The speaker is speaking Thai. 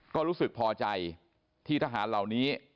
ก็รู้สึกพอใจที่ทหารเหล่านี้